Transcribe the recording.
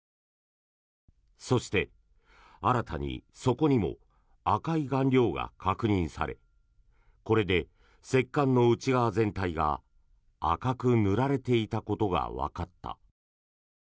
そして新たにそこにも赤い顔料が確認されこれで石棺の内側全体が赤く塗られていたことがわかった。